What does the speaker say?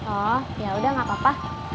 oh yaudah gak apa apa